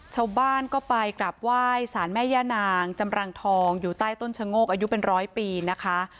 ชาวบ้านก็ไปกลับไหว้สารแม่ย่านางจำรังทองอยู่ใต้ต้นชะโงกอายุเป็นร้อยปีนะคะ